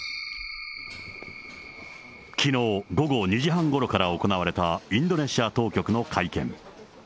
きのう午後２時半ごろから行われた、インドネシア当局の会見。